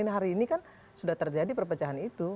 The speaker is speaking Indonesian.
hari ini kan sudah terjadi perpecahan itu